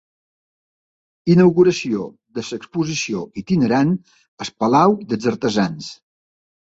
Inauguració de l'exposició itinerant "El Palau dels Artesans".